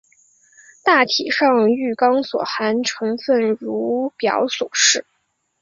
大体上玉钢所含成分如表所示。